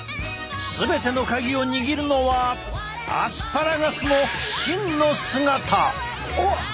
全てのカギを握るのはアスパラガスの真の姿。